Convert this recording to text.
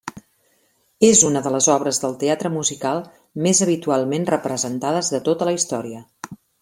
És una de les obres del teatre musical més habitualment representades de tota la història.